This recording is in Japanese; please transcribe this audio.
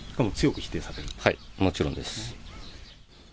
はい、もちろんです。